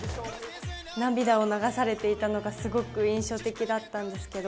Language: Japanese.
涙を流されていたのがすごく印象的だったんですけど。